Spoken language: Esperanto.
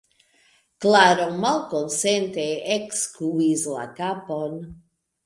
Klaro malkonsente ekskuis la kapon.